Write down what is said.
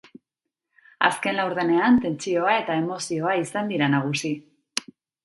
Azken laurdenean tentsioa eta emozioa izan dira nagusi.